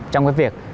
trong cái việc